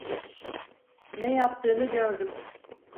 Ne yaptığını gördüm.